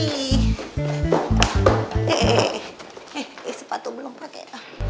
eh eh eh sepatu belum pakai